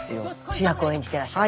主役を演じてらっしゃる。